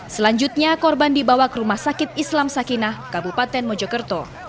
selanjutnya korban dibawa ke rumah sakit islam sakinah kabupaten mojokerto